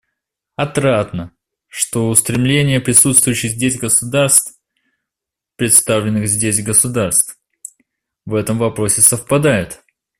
Отрадно, что устремления присутствующих здесь государств — представленных здесь государств — в этом вопросе совпадают.